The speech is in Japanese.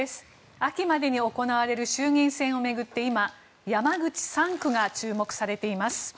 秋までに行われる衆議院選を巡って今、山口３区が注目されています。